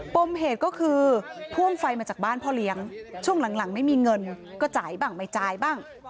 ปมเหตุก็คือพ่วงไฟมาจากบ้านพ่อเลี้ยงช่วงหลังไม่มีเงินก็จ่ายบ้างไม่จ่ายบ้าง